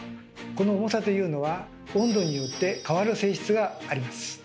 この重さというのは温度によって変わる性質があります。